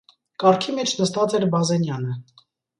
Կառքի մեջ նստած էր Բազենյանը: